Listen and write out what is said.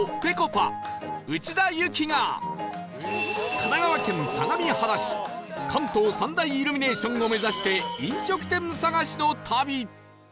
神奈川県相模原市関東三大イルミネーションを目指して飲食店探しの旅